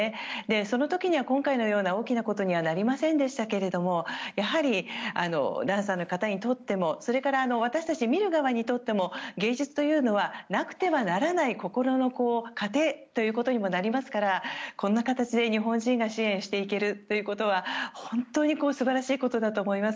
その時には今回のような大きなことにはなりませんでしたがやはり、ダンサーの方にとってもそれから私たち見る側にとっても芸術というのはなくてはならない心の糧ということにもなりますからこんな形で日本人が支援していけるということは本当に素晴らしいことだと思います。